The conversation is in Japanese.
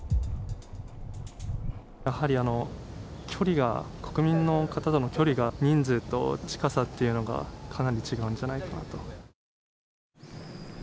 やはり距離が、国民の方との距離が、人数と近さっていうのがかなり違うんじゃないかなと。